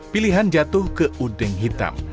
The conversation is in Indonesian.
pilihan jatuh ke udeng hitam